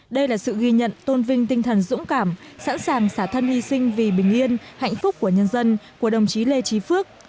đây là sự ghi nhận tôn vinh tinh thần dũng cảm sẵn sàng xả thân hy sinh vì bình yên hạnh phúc của nhân dân của đồng chí lê trí phước